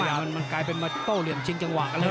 อ่ะมันกลายเป็นโฟร่เหลี่ยงชิงจังหวะเลย